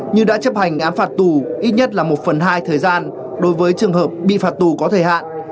như đã chấp hành án phạt tù ít nhất là một phần hai thời gian đối với trường hợp bị phạt tù có thời hạn